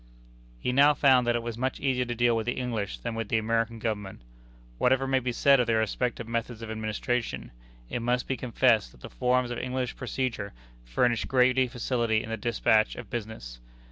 He now found that it was much easier to deal with the English than with the American Government. Whatever may be said of the respective methods of administration, it must be confessed that the forms of English procedure furnish greater facility in the despatch of business.